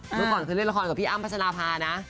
เมื่อก่อนเคยเล่นละครกับพี่อ้ำพัชราภานะ